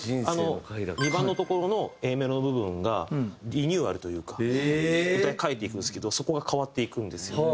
２番のところのＡメロ部分がリニューアルというか歌い替えていくんですけどそこが変わっていくんですよ。